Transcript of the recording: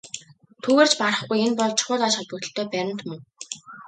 Түүгээр ч барахгүй энэ бол чухал ач холбогдолтой баримт мөн.